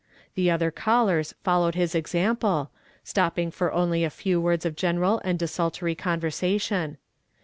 The other callei s followed his example, stopping for only a few words of general and desultory conversation.